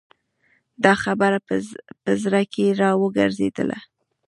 دا خبره په زړه کې را وګرځېدله.